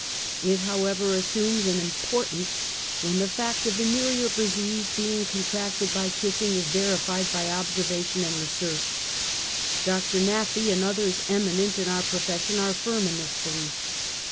It, however assumes an importance 's^ when the fact of venereal disease being contracted by H kissing, is verified by observation and research. Dr. !N'aphey, and others eminent in our profession are firm in this belief.